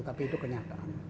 tapi itu kenyataan